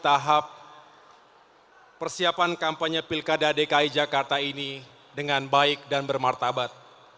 tahap persiapan kampanye pilkada dki jakarta ini dengan baik dan bermartabat